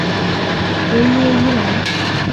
维耶伊莱。